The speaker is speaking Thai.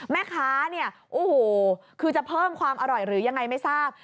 แม่ค้าเนี่ยโอ้โหคือจะเพิ่มความอร่อยหรือยังไงไม่ทราบ